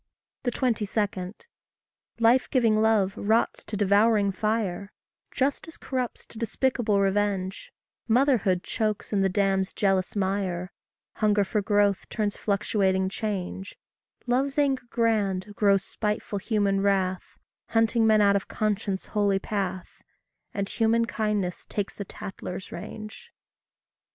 22. Life giving love rots to devouring fire; Justice corrupts to despicable revenge; Motherhood chokes in the dam's jealous mire; Hunger for growth turns fluctuating change; Love's anger grand grows spiteful human wrath, Hunting men out of conscience' holy path; And human kindness takes the tattler's range.